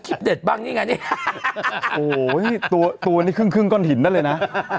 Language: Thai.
ชิ้นเบิร์ตบางนี้กันนะที่ตัวนี้ครึ่งก้อนถิ่นได้เลยนะ